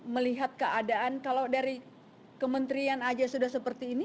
melihat keadaan kalau dari kementerian aja sudah seperti ini